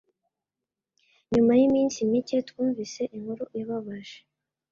Nyuma yiminsi mike twumvise inkuru ibabaje